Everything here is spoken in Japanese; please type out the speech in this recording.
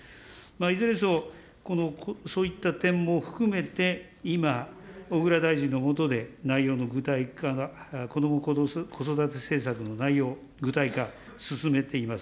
いずれにせよ、そういった点も含めて、今、小倉大臣の下で内容の具体化が、こども・子育て政策の内容、具体化、進めています。